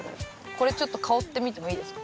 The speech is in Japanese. これちょっと香ってみてもいいですか？